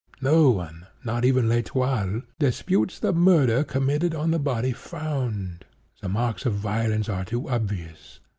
No one—not even L'Etoile—disputes the murder committed on the body found. The marks of violence are too obvious.